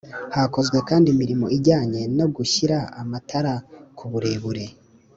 Hakozwe kandi imirimo ijyanye no gushyira amatara ku burebure